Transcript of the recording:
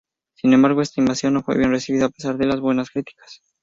Sin embargo, esta invención no fue bien recibida a pesar de las buenas críticas.